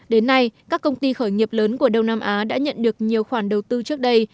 đến nay các công ty khởi nghiệp lớn của đông nam á đã nhận được nhiều khoản đầu tư trước đây